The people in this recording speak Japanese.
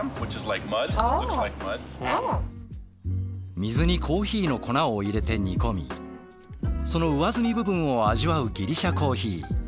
水にコーヒーの粉を入れて煮込みその上澄み部分を味わうギリシャコーヒー。